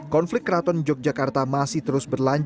konflik keraton yogyakarta masih terus berlanjut